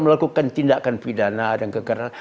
melakukan tindakan vidana dan gang